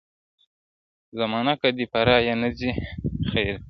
زمانه که دي په رایه نه ځي خیر دی,